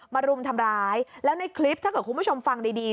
รุมทำร้ายแล้วในคลิปถ้าเกิดคุณผู้ชมฟังดีดี